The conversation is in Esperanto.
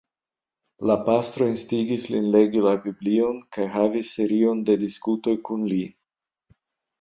La pastro instigis lin legi la Biblion kaj havis serion de diskutoj kun li.